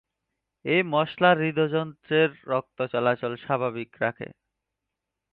এই মসলা হৃদযন্ত্রের রক্ত চলাচল স্বাভাবিক রাখে।